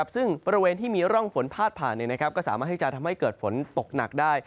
ซึ่งพระเวียนที่มีที่มีร่องฝนพาดผ่านได้ว่าจะสามารถทำให้เกิดฝนนักด้วย